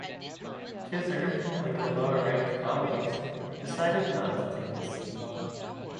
Tizard, like her lower-ranked colleagues, decided not to take the seat.